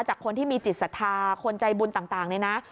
จากคนที่มีจิตศรัทธาคนใจบุญต่างเนี่ยนะ